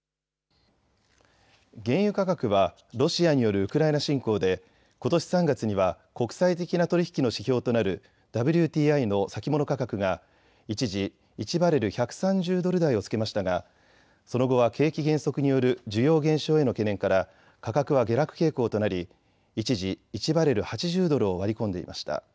原油価格はロシアによるウクライナ侵攻でことし３月には国際的な取り引きの指標となるＷＴＩの先物価格が一時、１バレル１３０ドル台をつけましたがその後は景気減速による需要減少への懸念から価格は下落傾向となり一時、１バレル８０ドルを割り込んでいました。